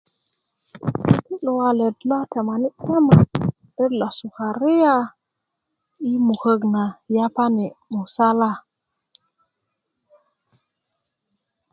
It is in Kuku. ti ŋutu' luwalet lo temani' tema ret lo sukariya yi mukök na yapani' musala